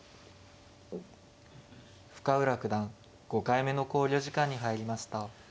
深浦九段５回目の考慮時間に入りました。